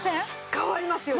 変わりますよね。